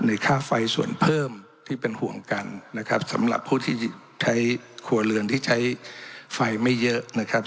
ค่าไฟส่วนเพิ่มที่เป็นห่วงกันนะครับสำหรับผู้ที่ใช้ครัวเรือนที่ใช้ไฟไม่เยอะนะครับ